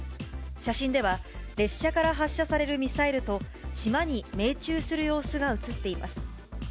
写真では、列車から発射されるミサイルと、島に命中する様子が写っています。